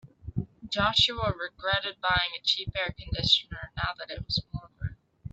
Joshua regretted buying a cheap air conditioner now that it was warmer.